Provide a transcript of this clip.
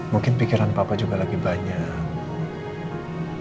mungkin pikiran papa juga lagi banyak